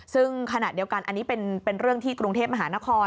ซึ่งขณะเดียวกันอันนี้เป็นเรื่องที่กรุงเทพมหานคร